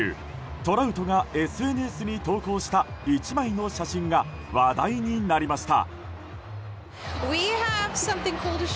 トラウトがＳＮＳに投稿した１枚の写真が話題になりました。